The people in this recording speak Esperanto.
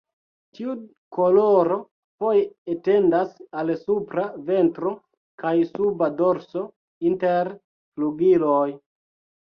Tiu koloro foje etendas al supra ventro kaj suba dorso, inter flugiloj.